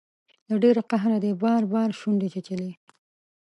له ډیر قهره دې بار بار شونډې چیچلي